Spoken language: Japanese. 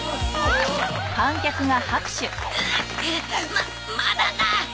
ままだだ！